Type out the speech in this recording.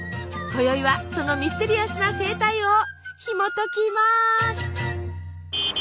今宵はそのミステリアスな生態をひもときます。